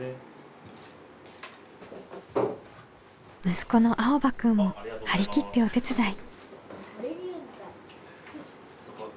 息子のあおばくんも張り切ってお手伝い。